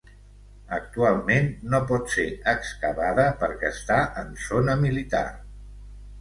Actualment, no pot ser excavada perquè està en zona militar.